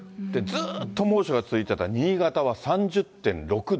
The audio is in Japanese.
ずーっと猛暑が続いてた新潟は３０．６度。